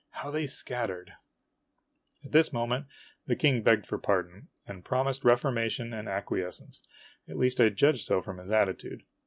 How they scattered ! At this moment the King begged for pardon, and promised reformation and acquiescence at least I judged so from his atti tude.